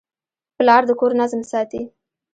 پلار د کور نظم ساتي.